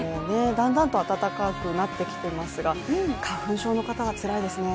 だんだんと暖かくなってきていますが、花粉症の方はつらいですね。